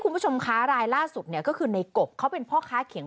คุณผู้ชมคะรายล่าสุดเนี่ยก็คือในกบเขาเป็นพ่อค้าเขียง